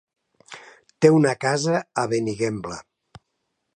Té una casa a Benigembla.